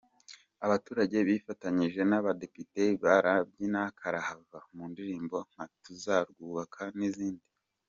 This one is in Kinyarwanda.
Abaturage bifatanyije n’abadepite barabyina karahava mu ndirimbo nka Tuzarwubaka n’izindi.